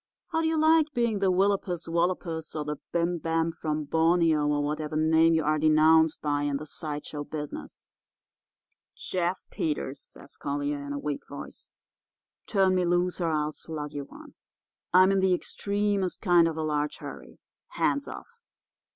How do you like being the willopus wallopus or the bim bam from Borneo, or whatever name you are denounced by in the side show business?' "'Jeff Peters,' says Collier, in a weak voice. 'Turn me loose, or I'll slug you one. I'm in the extremest kind of a large hurry. Hands off!